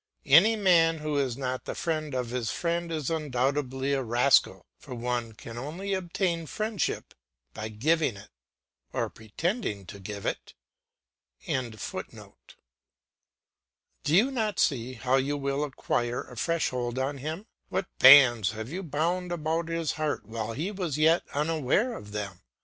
Any man who is not the friend of his friend is undoubtedly a rascal; for one can only obtain friendship by giving it, or pretending to give it.] and he is on the lookout for the signs of that affection. Do you not see how you will acquire a fresh hold on him? What bands have you bound about his heart while he was yet unaware of them!